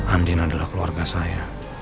andin adalah keluarga saya